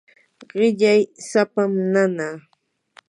qillay sapam nanaa.